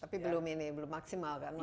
tapi belum ini belum maksimal kan waktu itu